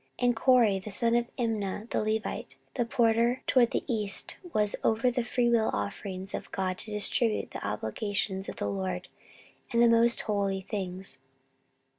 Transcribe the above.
14:031:014 And Kore the son of Imnah the Levite, the porter toward the east, was over the freewill offerings of God, to distribute the oblations of the LORD, and the most holy things.